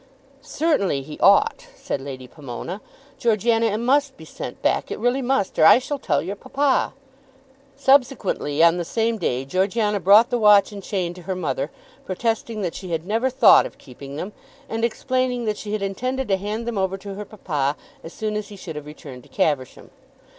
"Certainly he ought," said Lady Pomona. "Georgiana, it must be sent back. It really must, or I shall tell your papa." Subsequently, on the same day, Georgiana brought the watch and chain to her mother, protesting that she had never thought of keeping them, and explaining that she had intended to hand them over to her papa as soon as he should have returned to Caversham.